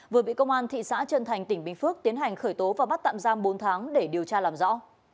vừa bị công an thị xã trân thành tỉnh bình phước tiến hành khởi tố và bắt tạm giam bốn tháng để điều tra làm rõ